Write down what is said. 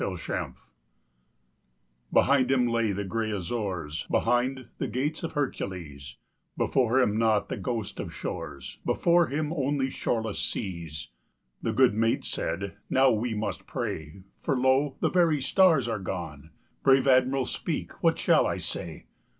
COLUMBUS Behind him lay the gray Azores, Behind, the Gates of Hercules; Before him not the ghost of shores; Before him only shoreless seas. The good mate said: "Now must we pray, For lo! the very stars are gone. Brave Admiral, speak; what shall I say?"